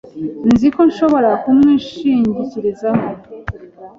Nzi ko ushobora kumwishingikirizaho.